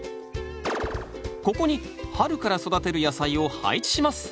ここに春から育てる野菜を配置します。